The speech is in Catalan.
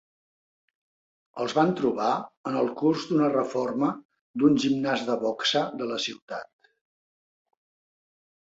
Els van trobar en el curs d'una reforma d'un gimnàs de boxa de la ciutat.